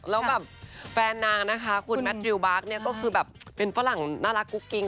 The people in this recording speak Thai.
แล้วแฟนนางนะคะคุณแมทริลบาร์กก็คือแบบเป็นฝรั่งน่ารักกุ๊กกิ้ง